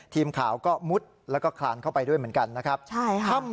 ทีมข่าวก็มุดแล้วก็คลานเข้าไปด้วยเหมือนกัน